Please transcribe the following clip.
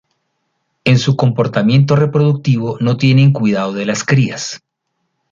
En su comportamiento reproductivo no tienen cuidado de las crías.